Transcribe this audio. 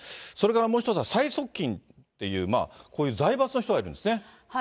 それからもう一つは、最側近っていう、こういう財閥の人がいるんですね。